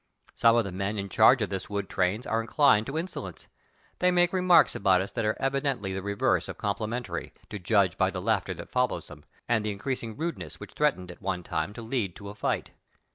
Some of the men in charge of this wood train are inclined to inso lence ; they make remarks about us that are evi dently the reverse of complimentary, to judge by the laughter that follows them, and the increasing rudeness which threatened at one time to lead to a fight.